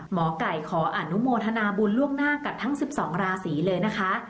หมอไก่ขออนุโมทนาบุญล่วงหน้ากับทั้ง๑๒ราศีเลยนะคะ